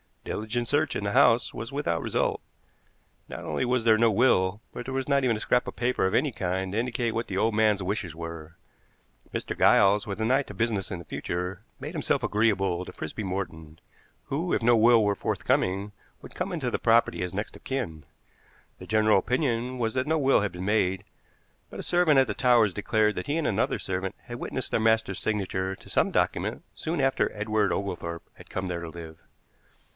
Diligent search in the house was without result. Not only was there no will, but there was not even a scrap of paper of any kind to indicate what the old man's wishes were. Mr. Giles, with an eye to business in the future, made himself agreeable to Frisby Morton, who, if no will were forthcoming, would come into the property as next of kin. The general opinion was that no will had been made, but a servant at the Towers declared that he and another servant had witnessed their master's signature to some document soon after Edward Oglethorpe had come there to live.